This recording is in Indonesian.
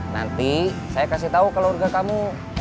nanti saya kasih tahu keluarga kamu